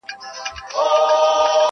نور د منبر څوکو ته مه خېژوه-